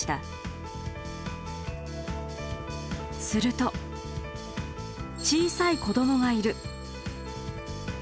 すると「小さい子どもがいる」。